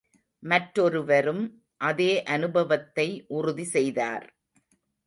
மற்றொருவரும் அதே அனுபவத்தை உறுதி செய்தார்.